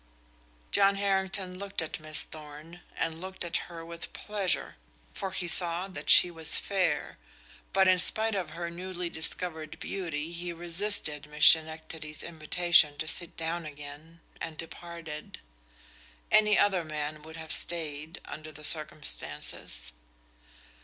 John Harrington looked at Miss Thorn, and looked at her with pleasure, for he saw that she was fair but in spite of her newly discovered beauty he resisted Miss Schenectady's invitation to sit down again, and departed. Any other man would have stayed, under the circumstances.